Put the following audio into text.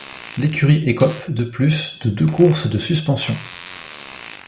L'écurie écope, de plus, de deux courses de suspension.